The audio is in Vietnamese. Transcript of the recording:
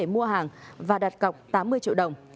mua hàng và đặt cọc tám mươi triệu đồng